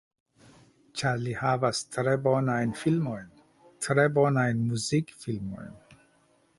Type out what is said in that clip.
Ĉar li havas tre bonajn filmojn tre bonajn muzikfilmojn.